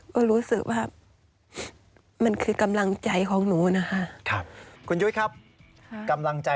ก็รู้สึกว่ามันคือกำลังใจของหนูนะคะ